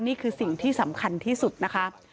นี่คือสิ่งที่สำคัญที่สุดนะคะ